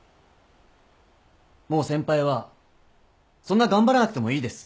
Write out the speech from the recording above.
もう先輩はそんな頑張らなくてもいいです。